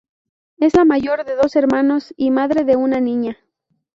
Es la mayor de dos hermanos y madre de una niña.